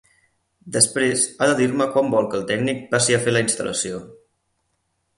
Després, ha de dir-me quan vol que el tècnic passi a fer la instal·lació.